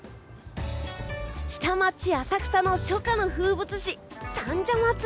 下町・浅草の初夏の風物詩三社祭。